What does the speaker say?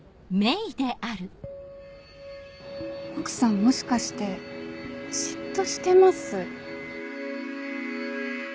奥さんもしかして嫉妬してます？